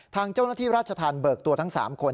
ทางเจ้าหน้าที่ราชธรรมเบิกตัวทั้ง๓คน